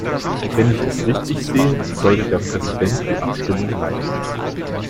Wenn ich es richtig sehe, sollte der Präsident die Abstimmung leiten.